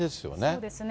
そうですね。